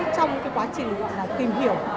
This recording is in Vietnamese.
trong cái quá trình tìm hiểu